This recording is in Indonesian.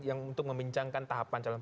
yang untuk membincangkan tahapan calon